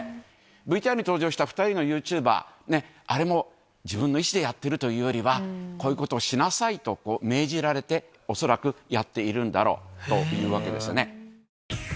ＶＴＲに登場した２人のユーチューバー、あれも、自分の意思でやっているというよりは、こういうことをしなさいと命じられて、恐らくやっているんだろうというわけですよね。